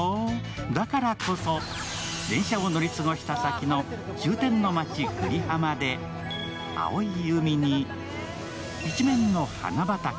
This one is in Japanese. だからこそ電車を乗り過ごした先の終点の街・久里浜で青い海に、一面の花畑。